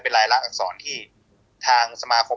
เป็นรายละอักษรที่ทางสมาคม